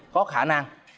có khả năng